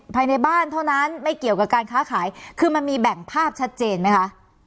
ภายในบ้านเท่านั้นไม่เกี่ยวกับการค้าขายคือมันมีแบ่งภาพชัดเจนไหมคะ